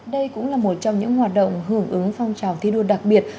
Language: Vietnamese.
đây cũng là một trong những hoạt động hưởng ứng phong trào thi đua đặc biệt